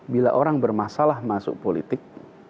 bila orang bermasalah masuk politik